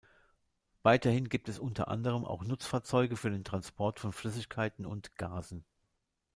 Weiterhin gibt es unter anderem auch Nutzfahrzeuge für den Transport von Flüssigkeiten und -gasen.